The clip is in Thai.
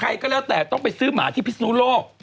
ใครก็แล้วแต่ต้องไปซื้อหมาที่พิศนุโลก